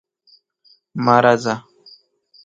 مه راځه!